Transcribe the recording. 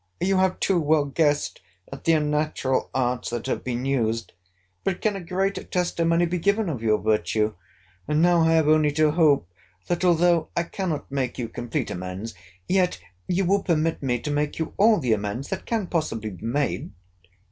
You have too well guessed at the unnatural arts that have been used. But can a greater testimony be given of your virtue?—And now I have only to hope, that although I cannot make you complete amends, yet you will permit me to make you all the amends that can possibly be made.